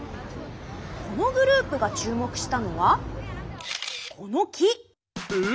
このグループが注目したのはこの木。